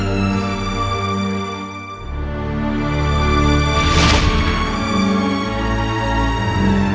saat terdapat oh pemenyang